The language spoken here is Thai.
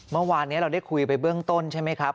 เมื่อวานนี้เราได้คุยไปเบื้องต้นใช่ไหมครับ